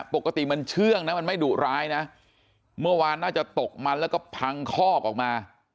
ปกติมันเชื่องนะมันไม่ดุร้ายนะเมื่อวานน่าจะตกมันแล้วก็พังคอกออกมา